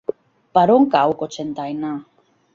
Per on cau Cocentaina?